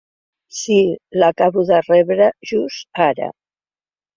Si, l'acabo de rebre just ara.